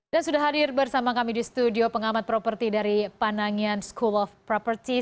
dan sudah hadir bersama kami di studio pengamat properti dari panangian school of properties